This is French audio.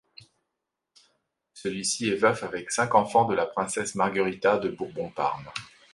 Celui-ci est veuf avec cinq enfants de la princesse Margherita de Bourbon Parme.